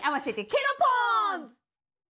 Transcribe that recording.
ケロポンズ！